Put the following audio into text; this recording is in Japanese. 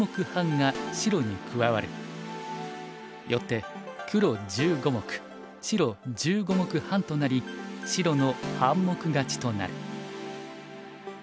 よって黒１５目白１５目半となり白の半目勝ちとなる。